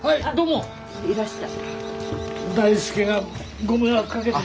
大輔がご迷惑かけて。